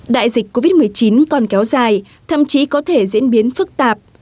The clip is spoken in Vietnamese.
đại dịch covid một mươi chín còn kéo dài thậm chí có thể diễn biến phức tạp